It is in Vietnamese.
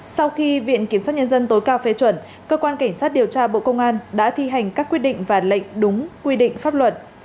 sau khi viện kiểm sát nhân dân tối cao phê chuẩn cơ quan cảnh sát điều tra bộ công an đã thi hành các quyết định và lệnh đúng quy định pháp luật